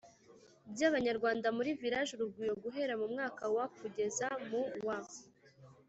by Abanyarwanda muri Village Urugwiro guhera mu mwaka wa kugeza mu wa